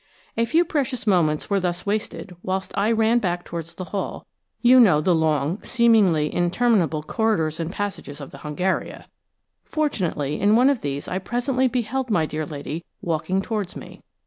A few precious moments were thus wasted whilst I ran back towards the hall; you know the long, seemingly interminable, corridors and passages of the Hungaria! Fortunately, in one of these I presently beheld my dear lady walking towards me.